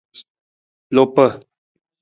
Lupa.